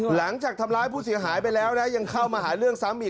หลังจากทำร้ายผู้เสียหายไปแล้วนะยังเข้ามาหาเรื่องซ้ำอีก